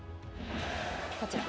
こちら。